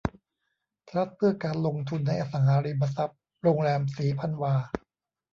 ทรัสต์เพื่อการลงทุนในอสังหาริมทรัพย์โรงแรมศรีพันวา